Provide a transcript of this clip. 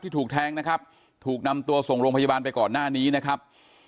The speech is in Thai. ถูกแทงนะครับถูกนำตัวส่งโรงพยาบาลไปก่อนหน้านี้นะครับ